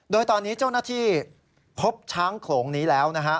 โดยตอนนี้เจ้าหน้าที่พบช้างโขลงนี้แล้วนะฮะ